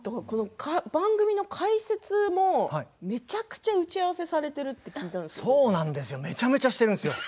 番組の解説もめちゃくちゃ打ち合わせされているとそうなんですめちゃめちゃしてるんですよ。